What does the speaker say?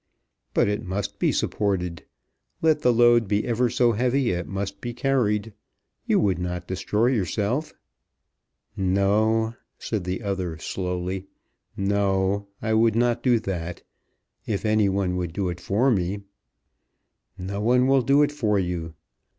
"But it must be supported. Let the load be ever so heavy, it must be carried. You would not destroy yourself?" "No;" said the other slowly; "no. I would not do that. If any one would do it for me!" "No one will do it for you.